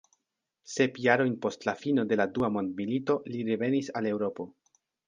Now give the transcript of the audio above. Sep jarojn post la fino de la dua mondmilito li revenis al Eŭropo.